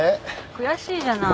悔しいじゃない。